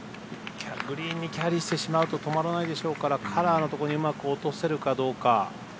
グリーンにキャリーしてしまうと止まらないでしょうからカラーのところに上手く落とせるかどうか。